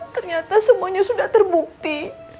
ternyata semuanya sudah terbukti